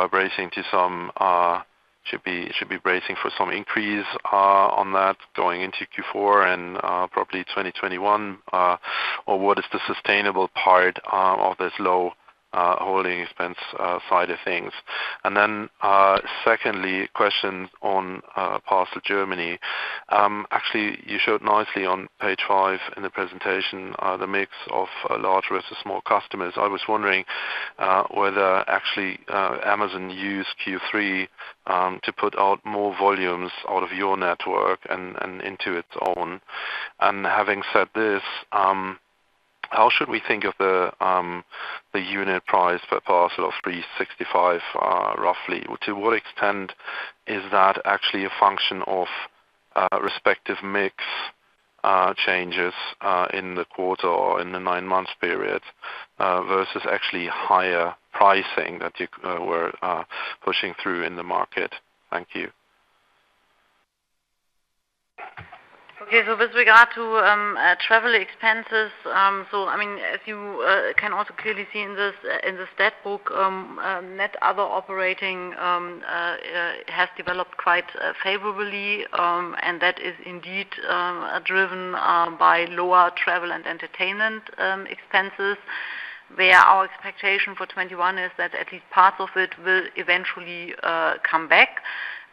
should be bracing for some increase on that going into Q4 and probably 2021, or what is the sustainable part of this low holding expense side of things? Secondly, question on Parcel Germany. Actually, you showed nicely on page five in the presentation, the mix of large versus small customers. I was wondering whether, actually, Amazon used Q3 to put out more volumes out of your network and into its own. Having said this, how should we think of the unit price per parcel of 365 million, roughly? To what extent is that actually a function of respective mix changes in the quarter or in the nine-month period, versus actually higher pricing that you were pushing through in the market? Thank you. With regard to travel expenses, as you can also clearly see in the stat book, net other operating has developed quite favorably, and that is indeed driven by lower travel and entertainment expenses, where our expectation for 2021 is that at least part of it will eventually come back.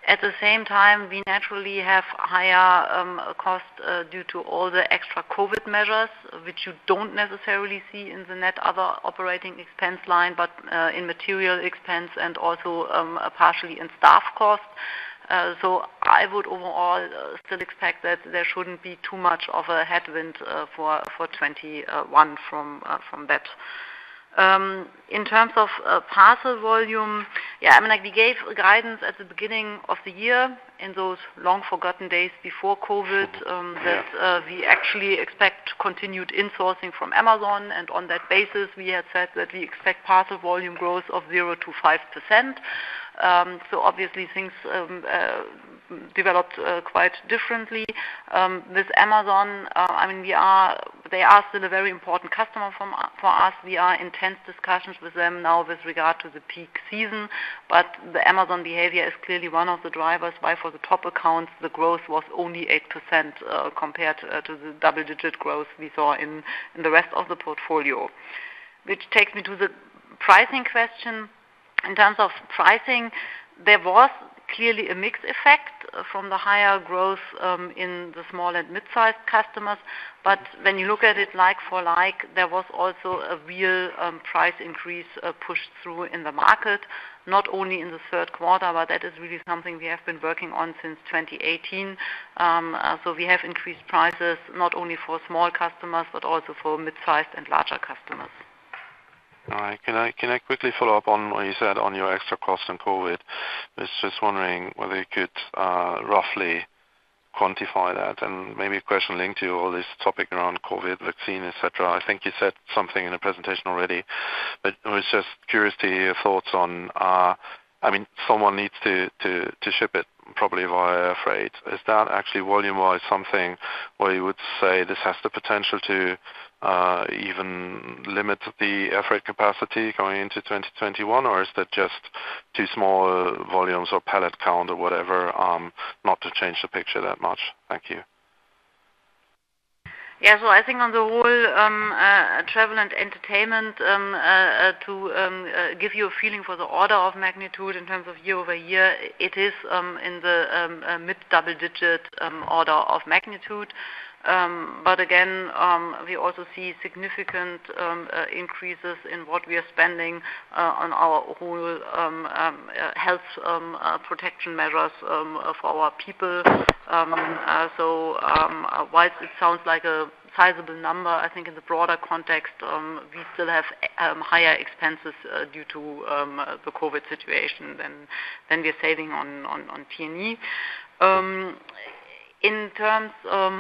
At the same time, we naturally have higher cost due to all the extra COVID measures, which you don't necessarily see in the net other operating expense line, but in material expense and also partially in staff costs. I would overall still expect that there shouldn't be too much of a headwind for 2021 from that. In terms of parcel volume, we gave guidance at the beginning of the year in those long-forgotten days before COVID, that we actually expect continued insourcing from Amazon. On that basis, we had said that we expect parcel volume growth of 0%-5%. Obviously things developed quite differently. With Amazon, they are still a very important customer for us. We are in intense discussions with them now with regard to the peak season. The Amazon behavior is clearly one of the drivers why, for the top accounts, the growth was only 8% compared to the double-digit growth we saw in the rest of the portfolio, which takes me to the pricing question. In terms of pricing, there was clearly a mix effect from the higher growth in the small and mid-size customers. When you look at it like for like, there was also a real price increase pushed through in the market, not only in the third quarter, but that is really something we have been working on since 2018. We have increased prices not only for small customers but also for mid-sized and larger customers. All right. Can I quickly follow up on what you said on your extra cost and COVID? Was just wondering whether you could roughly quantify that, and maybe a question linked to all this topic around COVID vaccine, et cetera. I think you said something in the presentation already, but I was just curious to hear your thoughts on, someone needs to ship it probably via air freight. Is that actually volume-wise something where you would say this has the potential to even limit the air freight capacity going into 2021, or is that just too small volumes or pallet count or whatever, not to change the picture that much? Thank you. Yeah. I think on the whole, travel and entertainment, to give you a feeling for the order of magnitude in terms of year-over-year, it is in the mid double-digit order of magnitude. Again, we also see significant increases in what we are spending on our whole health protection measures for our people. Whilst it sounds like a sizable number, I think in the broader context, we still have higher expenses due to the COVID situation than we are saving on T&E. In terms of,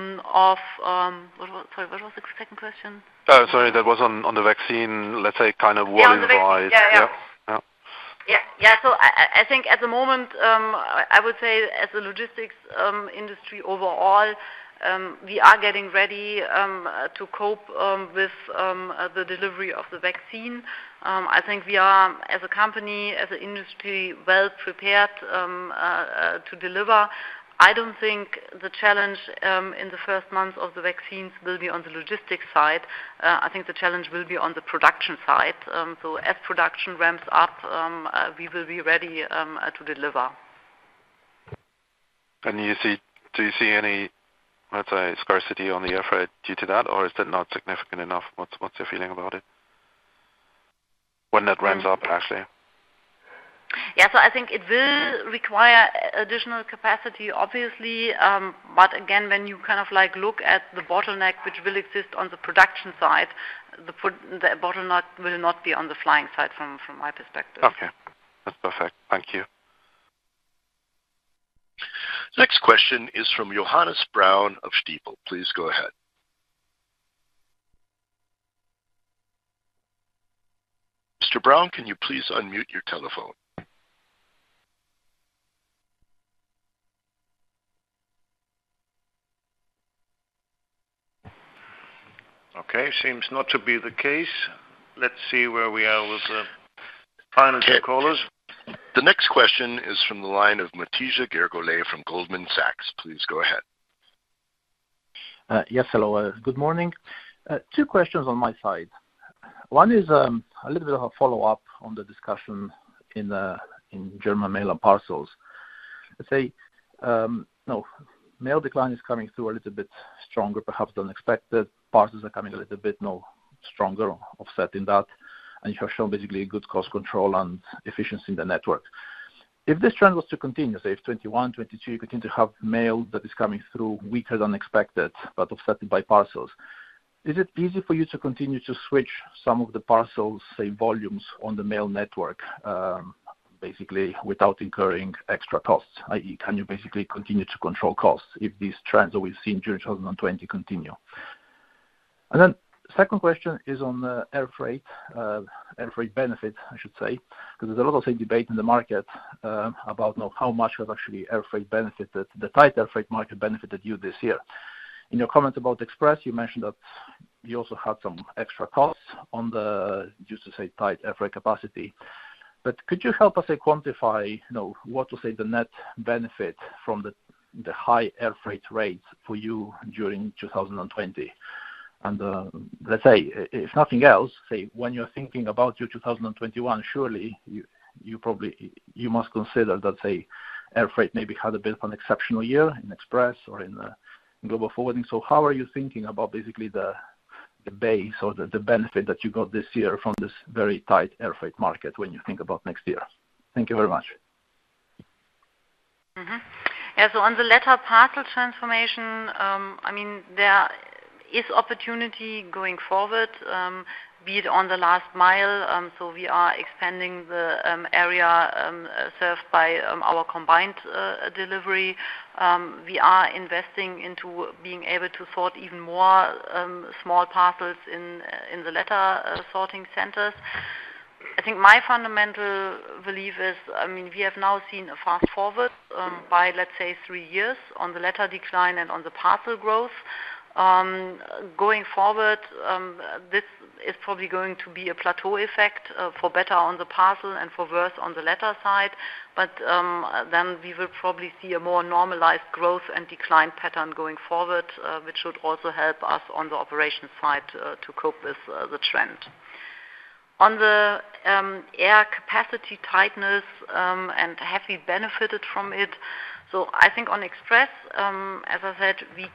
sorry, what was the second question? Sorry, that was on the vaccine, let's say kind of volume-wise. Yeah. I think at the moment, I would say, as a logistics industry overall, we are getting ready to cope with the delivery of the vaccine. I think we are, as a company, as an industry, well prepared to deliver. I don't think the challenge in the first months of the vaccines will be on the logistics side. I think the challenge will be on the production side. As production ramps up, we will be ready to deliver. Do you see any, let's say, scarcity on the air freight due to that, or is that not significant enough? What's your feeling about it? When that ramps up, actually. Yeah. I think it will require additional capacity, obviously. Again, when you look at the bottleneck, which will exist on the production side, the bottleneck will not be on the flying side, from my perspective. Okay. That's perfect. Thank you. Next question is from Johannes Braun of Stifel. Please go ahead. Mr. Braun, can you please unmute your telephone? Okay, seems not to be the case. Let's see where we are with the final two callers. The next question is from the line of Matija Gergolet from Goldman Sachs. Please go ahead. Yes. Hello, good morning. Two questions on my side. One is a little bit of a follow-up on the discussion in Post & Parcel Germany. Let's say, Mail decline is coming through a little bit stronger, perhaps than expected. Parcels are coming a little bit more stronger offsetting that, and you have shown basically a good cost control on efficiency in the network. If this trend was to continue, say, if 2021, 2022, you continue to have Mail that is coming through weaker than expected, but offset by Parcels, is it easy for you to continue to switch some of the Parcels, say, volumes on the Mail network, basically without incurring extra costs, i.e., can you basically continue to control costs if these trends that we've seen during 2020 continue? Second question is on air freight, air freight benefit, I should say, because there's a lot of, say, debate in the market, about how much has actually the tight air freight market benefited you this year. In your comments about Express, you mentioned that you also had some extra costs on the, just to say, tight air freight capacity. Could you help us, say, quantify, what to say, the net benefit from the high air freight rates for you during 2020? Let's say, if nothing else, say, when you're thinking about your 2021, surely, you must consider that, say, air freight maybe had a bit of an exceptional year in Express or in Global Forwarding. How are you thinking about basically the base or the benefit that you got this year from this very tight air freight market when you think about next year? Thank you very much. Mm-hmm. Yeah. On the letter parcel transformation, there is opportunity going forward, be it on the last mile. We are expanding the area served by our combined delivery. We are investing into being able to sort even more small parcels in the letter sorting centers. I think my fundamental belief is, we have now seen a fast-forward, by, let's say, three years on the letter decline and on the parcel growth. Going forward, this is probably going to be a plateau effect for better on the parcel and for worse on the letter side. We will probably see a more normalized growth and decline pattern going forward, which should also help us on the operations side, to cope with the trend. On the air capacity tightness, have we benefited from it? I think on Express, as I said, we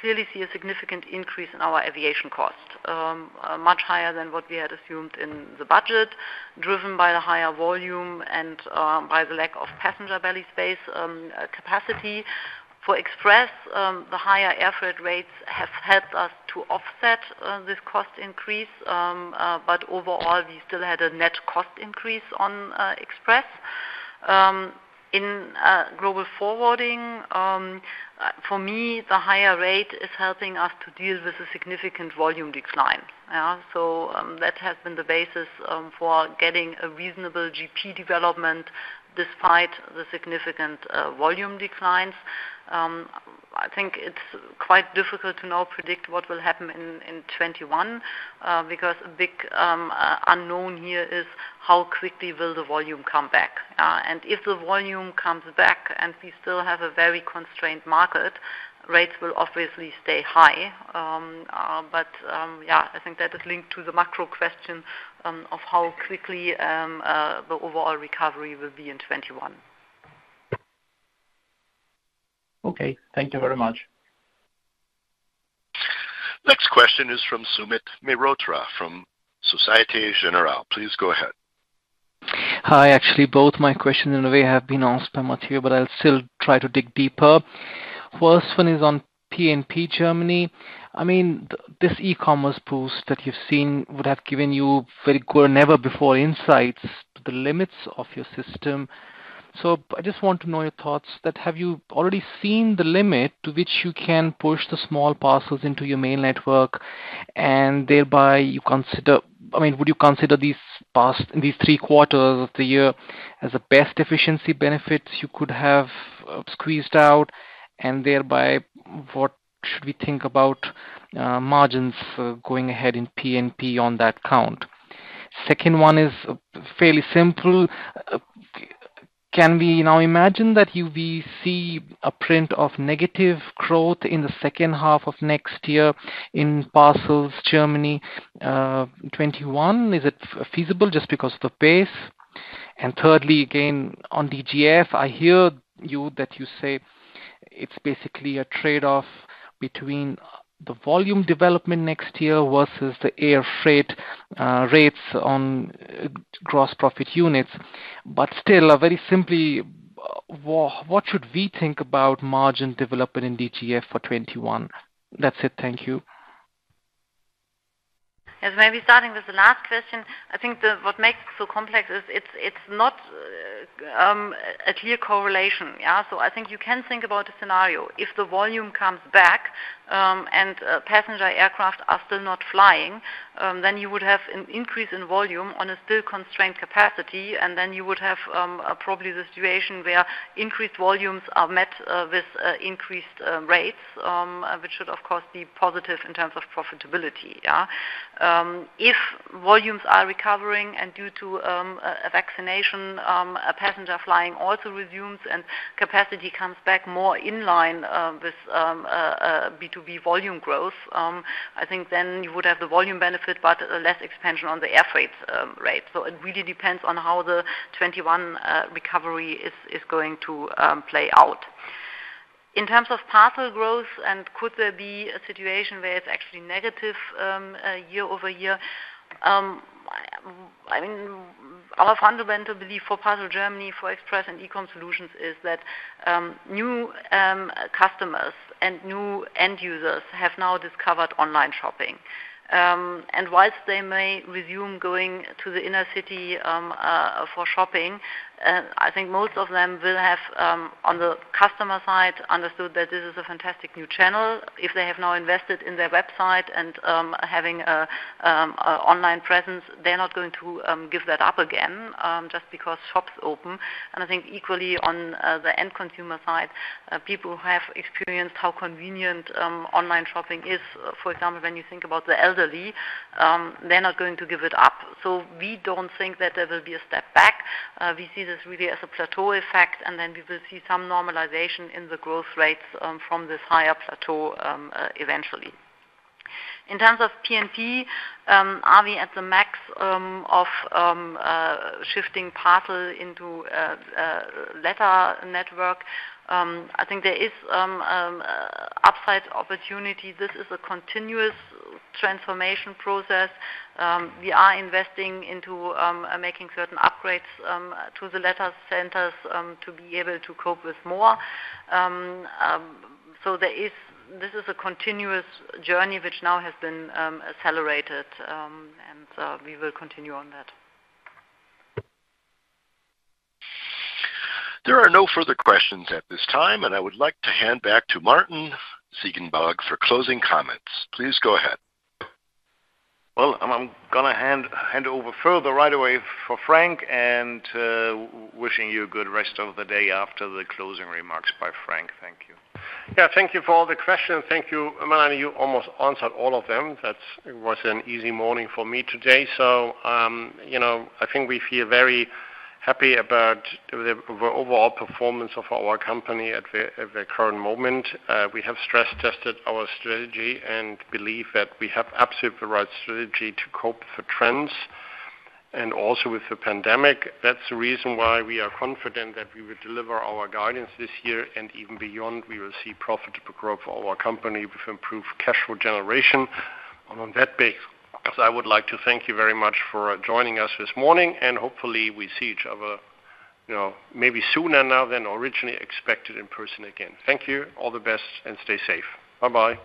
clearly see a significant increase in our aviation cost, much higher than what we had assumed in the budget, driven by the higher volume and by the lack of passenger belly space capacity. For Express, the higher Air Freight rates have helped us to offset this cost increase. Overall, we still had a net cost increase on Express. In Global Forwarding, for me, the higher rate is helping us to deal with a significant volume decline. That has been the basis for getting a reasonable GP development despite the significant volume declines. I think it's quite difficult to now predict what will happen in 2021, because a big unknown here is how quickly will the volume come back. If the volume comes back and we still have a very constrained market, rates will obviously stay high. Yeah, I think that is linked to the macro question of how quickly the overall recovery will be in 2021. Okay. Thank you very much. Next question is from Sumit Mehrotra from Société Générale. Please go ahead. Hi. Both my questions in a way have been asked by Matija, but I'll still try to dig deeper. First one is on P&P Germany. This e-commerce boost that you've seen would have given you very good never-before insights to the limits of your system. I just want to know your thoughts that have you already seen the limit to which you can push the small parcels into your mail network, and thereby, would you consider these past, these three quarters of the year as the best efficiency benefits you could have squeezed out? Thereby, what should we think about margins going ahead in P&P on that count? Second one is fairly simple. Can we now imagine that we see a print of negative growth in the second half of next year in parcels Germany 2021? Is it feasible just because of the pace? Thirdly, again, on DGF, I hear you that you say it's basically a trade-off between the volume development next year versus the air freight rates on gross profit units. Still, very simply, what should we think about margin development in DGF for 2021? That's it. Thank you. Yes. Maybe starting with the last question, I think what makes it so complex is it's not a clear correlation. Yeah? I think you can think about a scenario. If the volume comes back and passenger aircraft are still not flying, then you would have an increase in volume on a still constrained capacity, and then you would have probably the situation where increased volumes are met with increased rates, which should, of course, be positive in terms of profitability. If volumes are recovering and due to a vaccination, passenger flying also resumes and capacity comes back more in line with B2B volume growth, I think then you would have the volume benefit, but less expansion on the Air Freight rate. It really depends on how the 2021 recovery is going to play out. In terms of parcel growth, could there be a situation where it's actually negative year-over-year? I mean, our fundamental belief for Parcel Germany, for Express and eCommerce Solutions is that new customers and new end users have now discovered online shopping. Whilst they may resume going to the inner city for shopping, I think most of them will have, on the customer side, understood that this is a fantastic new channel. If they have now invested in their website and having online presence, they're not going to give that up again, just because shops open. I think equally on the end consumer side, people have experienced how convenient online shopping is. For example, when you think about the elderly, they're not going to give it up. We don't think that there will be a step back. We see this really as a plateau effect, and then we will see some normalization in the growth rates from this higher plateau eventually. In terms of P&P, are we at the max of shifting parcel into letter network? I think there is upside opportunity. This is a continuous transformation process. We are investing into making certain upgrades to the letter centers to be able to cope with more. This is a continuous journey, which now has been accelerated, and we will continue on that. There are no further questions at this time, and I would like to hand back to Martin Ziegenbalg for closing comments. Please go ahead. I'm going to hand over further right away for Frank and wishing you a good rest of the day after the closing remarks by Frank. Thank you. Yeah. Thank you for all the questions. Thank you, Melanie. You almost answered all of them. That was an easy morning for me today. I think we feel very happy about the overall performance of our company at the current moment. We have stress tested our strategy and believe that we have absolutely the right strategy to cope with the trends and also with the pandemic. That's the reason why we are confident that we will deliver our guidance this year and even beyond, we will see profitable growth for our company with improved cash flow generation. On that basis, I would like to thank you very much for joining us this morning, and hopefully we see each other maybe sooner now than originally expected in person again. Thank you. All the best, and stay safe. Bye-bye.